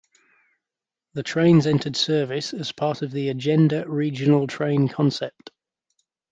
The trains entered service as part of the Agenda regional train concept.